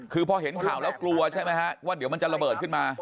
คือพอเห็นข่าวแล้วกลัวใช่ไหมฮะว่าเดี๋ยวมันจะระเบิดขึ้นมา